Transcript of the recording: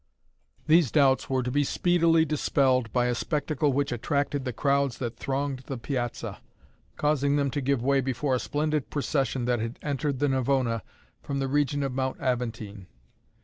These doubts were to be speedily dispelled by a spectacle which attracted the crowds that thronged the Piazza, causing them to give way before a splendid procession that had entered the Navona from the region of Mount Aventine.